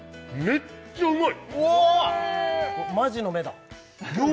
めっちゃうまい！